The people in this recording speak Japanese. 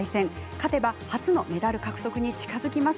勝てば初のメダル獲得に近づきます。